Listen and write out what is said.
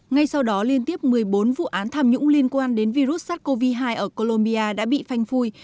ngay sau đó liên tiếp một mươi bốn vụ án tham nhũng liên quan đến virus sars cov hai ở colombia đã bị phanh phui